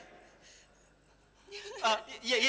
di mana dia sekarang